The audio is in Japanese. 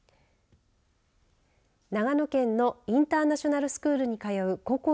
長野県のインターナショナルスクールに通う高校